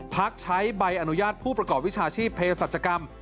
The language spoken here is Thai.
พักใช้ใบอนุญาตผู้ประกอบวิชาชีพเพศรัชกรรม